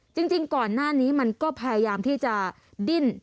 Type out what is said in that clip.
จริงก่อนหน้านี้มันก็พยายามที่จะดิ้น